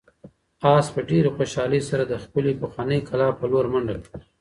آس په ډېرې خوشحالۍ سره د خپلې پخوانۍ کلا په لور منډه کړه.